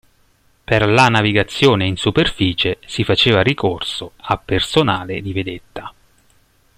Per la navigazione in superficie si faceva ricorso a personale di vedetta.